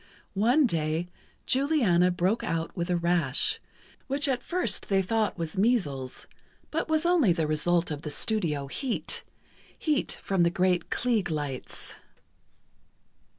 One day, Juliana broke out with a rash, which at first they thought was measles, but was only the result of the studio heat, heat from the great Klieg lights.